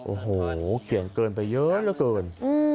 โอ้โหเกลียดเกินไปเยอะแล้วเกิน